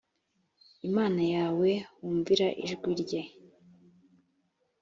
imana yawe wumvira ijwi rye